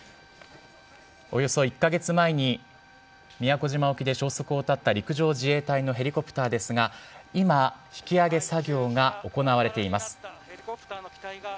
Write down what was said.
およそ１か月前に宮古島沖で消息を絶った陸上自衛隊のヘリコプターですが、今、引き揚げ作業が行われています。